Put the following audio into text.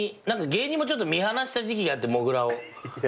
何か芸人もちょっと見放した時期があってもぐらを。